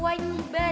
oke jangan pegang